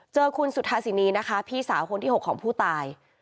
เจอคุณสุธาสินีนะคะพี่สาวคนที่๖ของผู้ตาย